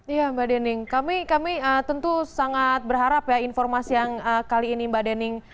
ya mbak dening kami tentu sangat berharap ya informasi yang kali ini mbak dening